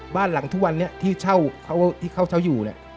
บ้านหลังทุกวันนี้ที่เขาเช่าอยู่